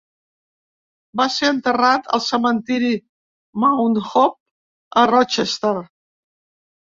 Va ser enterrat al cementiri Mount Hope a Rochester.